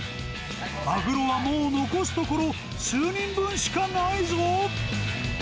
マグロはもう残すところ、数人分しかないぞ！